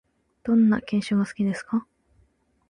どんな犬種が好きですか？